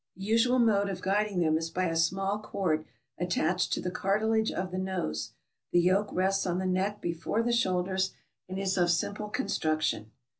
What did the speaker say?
The usual mode of guiding them is by a small cord attached to the cartilage of the nose. The yoke rests on the neck before the shoulders, and is of simple construction.